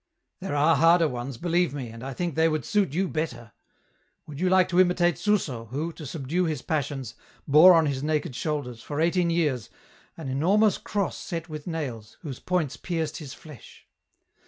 '' There are harder ones, believe me, and I think they would suit you better. Would you like to imitate Suso, who, to subdue his passions, bore on his naked shoulders, for eighteen years, an enormous cross set with nails, whose points pierced his flesh